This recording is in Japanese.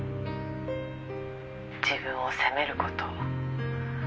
「自分を責める事」